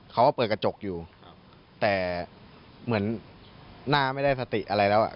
เขาก็เปิดกระจกอยู่แต่เหมือนหน้าไม่ได้สติอะไรแล้วอ่ะ